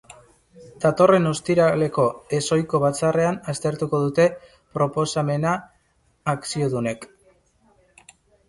Datorren ostiraleko ez-ohiko batzarrean aztertuko dute proposamena akziodunek.